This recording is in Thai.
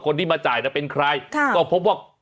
คนที่มาจ่ายนะเป็นใครก็พบว่า